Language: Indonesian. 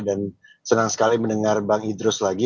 dan senang sekali mendengar bang idrus lagi